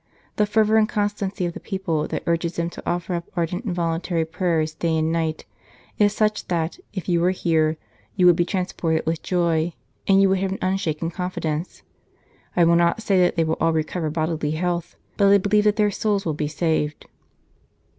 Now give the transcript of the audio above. The fervour and constancy of the people that urges them to offer up ardent and voluntary prayers day and night is such that, if you were here, you would be transported with joy, and you would have an unshaken confidence I will not say that they will all recover bodily health but I believe that their souls will be saved."